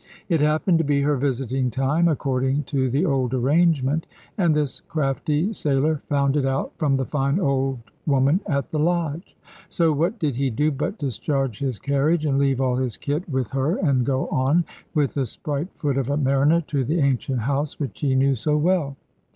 It happened to be her visiting time, according to the old arrangement, and this crafty sailor found it out from the fine old woman at the lodge. So what did he do but discharge his carriage, and leave all his kit with her, and go on, with the spright foot of a mariner, to the ancient house which he knew so well.